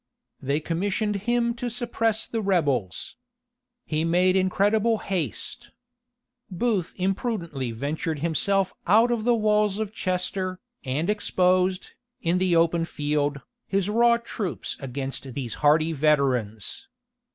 They commissioned him to suppress the rebels. He made incredible haste. Booth imprudently ventured himself out of the walls of Chester, and exposed, in the open field, his raw troops against these hardy veterans.